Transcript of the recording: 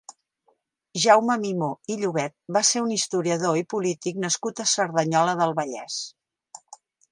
Jaume Mimó i Llobet va ser un historiador i polític nascut a Cerdanyola del Vallès.